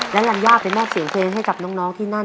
และรัญญาไปมอบเสียงเพลงให้กับน้องที่นั่น